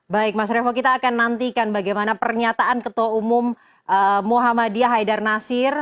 baik mas revo kita akan nantikan bagaimana pernyataan ketua umum muhammadiyah haidar nasir